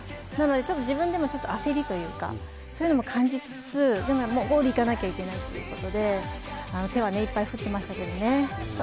なので自分でも焦りというか、そういうのも感じつつ、でもゴール行かなきゃいけないということで、手はいっぱい振ってましたけどね。